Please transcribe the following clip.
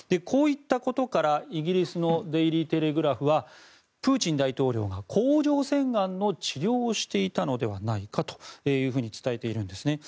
こういったことからイギリスのデイリー・テレグラフはプーチン大統領が甲状腺がんの治療をしていたのではないかと伝えているんです。